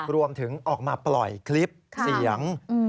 ออกมาปล่อยคลิปเสียง